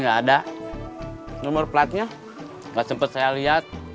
gak sempat saya lihat